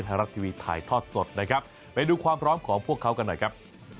ไทยรัฐทีวีถ่ายทอดสดนะครับไปดูความพร้อมของพวกเขากันหน่อยครับ